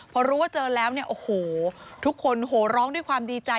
พอรู้ว่าเจอแล้วเนี่ยโอ้โหทุกคนโหร้องด้วยความดีใจ